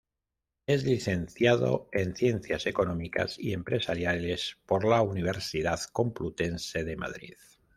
Es licenciado en Ciencias Económicas y Empresariales por la Universidad Complutense de Madrid.